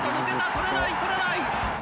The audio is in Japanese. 捕れない捕れない！